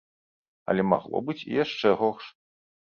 Але магло быць і яшчэ горш.